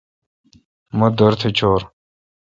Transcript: مہ دورتھ چھور۔